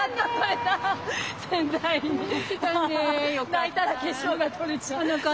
泣いたら化粧が取れちゃう。